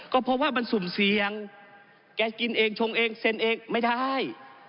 ก็เพราะว่ามันสุ่มเสี่ยงแกกินเองชงเองเซ็นเองไม่ได้